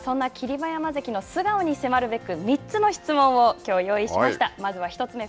馬山関の素顔に迫るべく、３つの質問をきょう用意しました。